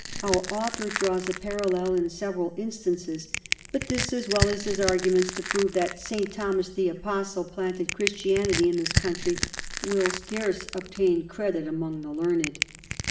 Our Author draws a Parallel in several Instances; but this, as well as his Arguments to prove that St. Thomas the Apostle planted Christianity in this Country, will scarce obtain Credit among the Learned.